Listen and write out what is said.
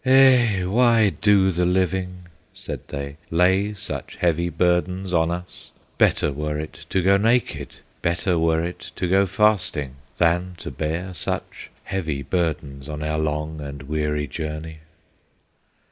"Ay! why do the living," said they, "Lay such heavy burdens on us! Better were it to go naked, Better were it to go fasting, Than to bear such heavy burdens On our long and weary journey!"